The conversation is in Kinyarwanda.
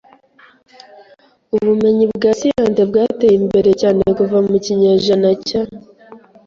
Ubumenyi bwa siyansi bwateye imbere cyane kuva mu kinyejana cya .